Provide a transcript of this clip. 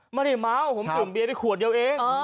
ไม่ได้เมาผมสวมเบียไปขวดเดียวเอง